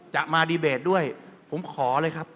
จะมาดีเบตด้วยผมขอเลยครับ